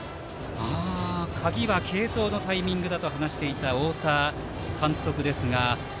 鍵は継投のタイミングだと話していた太田監督ですが。